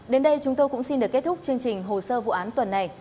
đến đây chúng tôi cũng xin được kết thúc chương trình hồ sơ vụ án tuần này